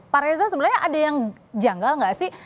pak reza sebenarnya ada yang janggal nggak sih